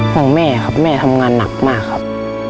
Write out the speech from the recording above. ของแม่ครับแม่ทำงานหนักมากครับ